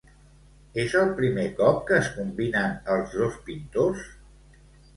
És el primer cop que es combinen els dos pintors?